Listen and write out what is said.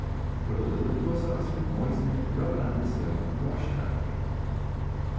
(Put a little into a saucer, moisten it, rub it into the scalp, and wash it out again.)